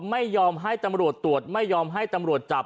ไม่ยอมให้ตำรวจตรวจไม่ยอมให้ตำรวจจับ